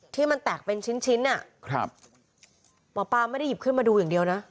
ที่มันแตกเป็นชิ้นชิ้นอ่ะครับหมอปลาไม่ได้หยิบขึ้นมาดูอย่างเดียวนะ